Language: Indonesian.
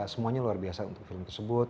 semuanya luar biasa untuk film tersebut